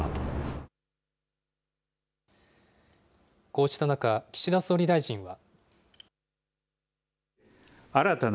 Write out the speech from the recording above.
こうした中、岸田総理大臣は。